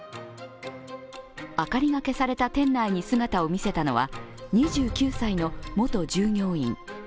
明かりが消された店内に姿を見せたのは２９歳の元従業員。